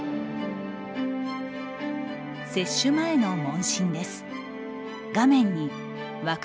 接種前の問診です。